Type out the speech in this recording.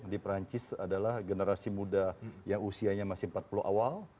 di perancis adalah generasi muda yang usianya masih empat puluh awal